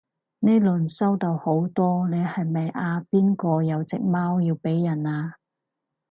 呢輪收到好多你係咪阿邊個有隻貓要俾人啊？